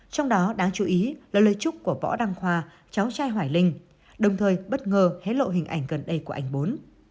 trong đó đáng chú ý là lời chúc của võ đăng khoa cháu trai hoài linh đồng thời bất ngờ hé lộ hình ảnh gần đây của anh bốn